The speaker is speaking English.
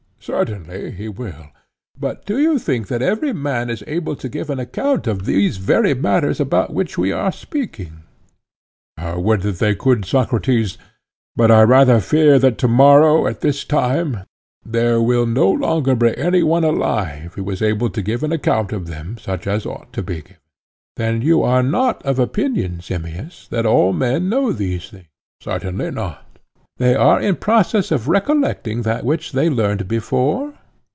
Certainly, he will. But do you think that every man is able to give an account of these very matters about which we are speaking? Would that they could, Socrates, but I rather fear that to morrow, at this time, there will no longer be any one alive who is able to give an account of them such as ought to be given. Then you are not of opinion, Simmias, that all men know these things? Certainly not. They are in process of recollecting that which they learned before?